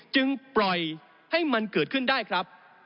จึงปล่อยให้มันเกิดขึ้นได้ครับ